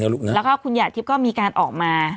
แล้วก็คุณหยาดทิพย์ก็มีการออกมา